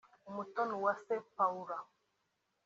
Umutoniwase Paula